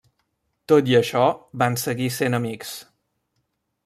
Tot i això, van seguir sent amics.